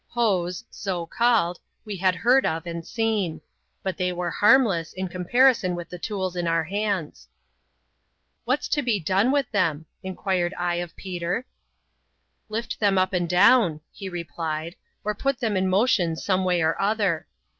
" Hoes*', — so called — we had heard of, and seen ; but they were harmless^ in comparison with the tools in our hands. *• What'^3 to be done with them ?" inquired I of Peter* " Lift them up and down," he replied ;" or put them in mo tion some way or other.